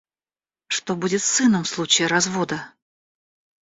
Что будет с сыном в случае развода?